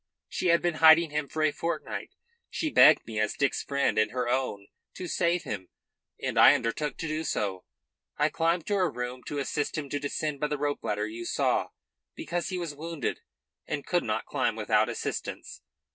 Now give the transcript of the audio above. She had been hiding him for a fortnight. She begged me, as Dick's friend and her own, to save him; and I undertook to do so. I climbed to her room to assist him to descend by the rope ladder you saw, because he was wounded and could not climb without assistance.